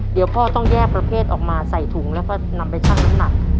เดี๋ยวพ่อต้องแยกประเภทออกมาใส่ถุงแล้วก็นำไปชั่งน้ำหนัก